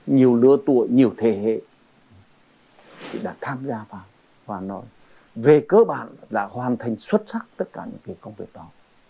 nhiều lứa tuổi nhiều thế hệ đã tham gia vào và nói về cơ bản đã hoàn thành xuất sắc tất cả những công việc đó